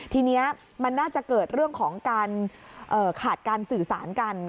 ทีนี้มันน่าจะเกิดเรื่องของการขาดการสื่อสารกัน